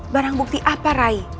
barang bukti apa rai